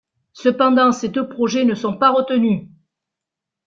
Cependant ses deux projets ne sont pas retenus.